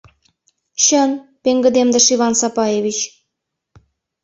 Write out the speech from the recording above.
— Чын, — пеҥгыдемдыш Иван Сапаевич.